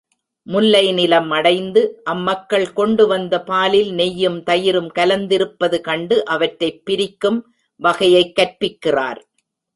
முல்லை நிலம் அடைந்து அம்மக்கள் கொண்டுவந்த பாலில் நெய்யும், தயிரும் கலந்திருப்பது கண்டு அவற்றைப் பிரிக்கும் வகையைக் கற்பிக்கிறார்.